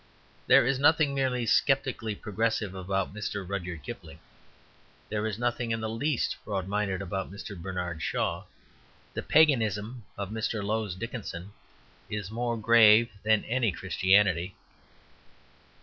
There is nothing merely sceptically progressive about Mr. Rudyard Kipling. There is nothing in the least broad minded about Mr. Bernard Shaw. The paganism of Mr. Lowes Dickinson is more grave than any Christianity.